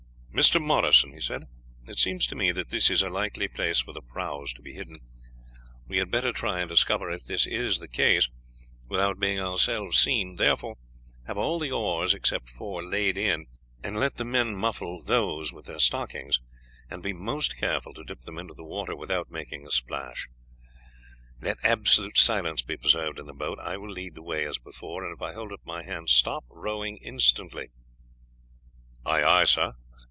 "Mr. Morrison," he said, "it seems to me that this is a likely place for the prahus to be hidden. We had better try and discover if this is the case, without being ourselves seen; therefore have all the oars, except four, laid in, and let the men muffle those with their stockings, and be most careful to dip them into the water without making a splash. Let absolute silence be preserved in the boat. I will lead the way as before, and if I hold up my hand stop rowing instantly." "Aye, aye, sir!"